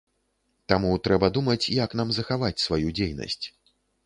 Таму трэба думаць, як нам захаваць сваю дзейнасць.